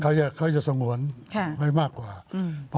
เขาจะเขาจะสงวนค่ะให้มากกว่าอืม